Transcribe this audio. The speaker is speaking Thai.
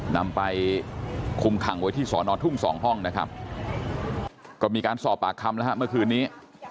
นำไปคุมขังไว้ที่สอนอทุ่งสองห้องนะครับก็มีการสอบปากคำแล้วฮะเมื่อคืนนี้